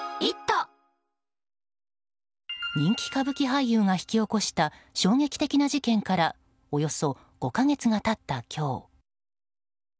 人気歌舞伎俳優が引き起こした衝撃的な事件からおよそ５か月が経った今日。